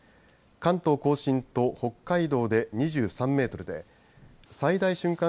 関東甲信と北海道で２３メートルで最大瞬間